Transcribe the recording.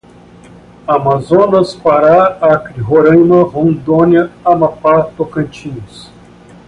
Amazonas, Pará, Acre, Roraima, Rondônia, Amapá, Tocantins